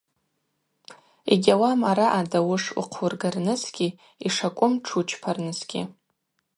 Йгьауам араъа дауыш ухъуыргарнысгьи, йшакӏвым тшучпарнысгьи.